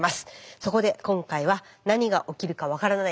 そこで今回は何が起きるか分からない